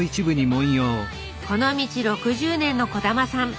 この道６０年の小玉さん。